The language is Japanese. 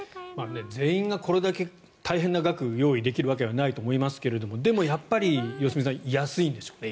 全員がこれだけ大変な額用意できるわけはないと思いますがでも、やっぱり良純さん安いでしょうね